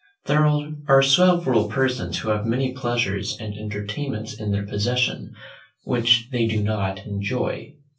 There are several persons who have many pleasures and entertainments in their possession, which they do not enjoy.